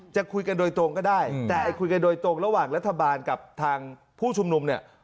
จะคุยกันโดยตรงก็ได้แต่คุยกันโดยตรงระหว่างรัฐบาลกับทางผู้ชุมนุมเนี่ย